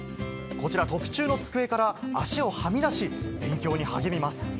こちら、特注の机から足をはみ出し、勉強に励みます。